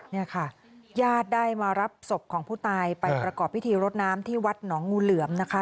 นี่ค่ะญาติได้มารับศพของผู้ตายไปประกอบพิธีรดน้ำที่วัดหนองงูเหลือมนะคะ